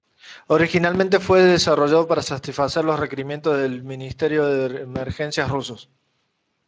Originalmente fue desarrollado para satisfacer los requerimientos del ministerio de emergencias ruso.